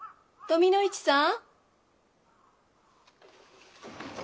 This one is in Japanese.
富の市さん？